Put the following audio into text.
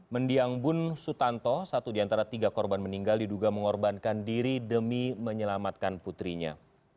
mendiang bun sutanto satu di antara tiga korban meninggal diduga mengorbankan diri demi menyelamatkan putrinya